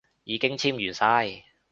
已經簽完晒